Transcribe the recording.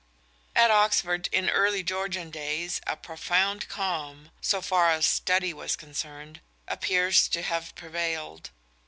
At Oxford in early Georgian days a profound calm so far as study was concerned appears to have prevailed.